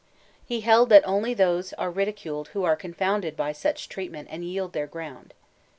He held that only those are ridiculed who are con founded by such treatment and yield their ground.